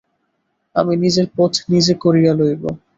আমি নিজের পথ নিজে করিয়া লইব।